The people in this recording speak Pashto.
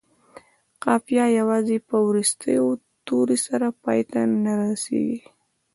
قافیه یوازې په وروستي توري سره پای ته نه رسيږي.